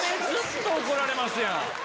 ずっと怒られますやん。